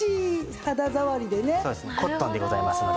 コットンでございますので。